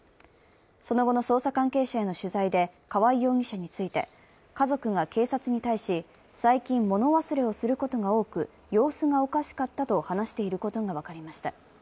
その後の捜査関係者への取材で川合容疑者について家族が警察に対し、最近物忘れをすることが多く、様子がおかしかったと話していることが分かりました。